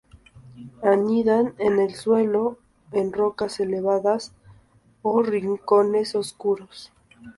Anidan en el suelo en rocas elevadas o rincones oscuros.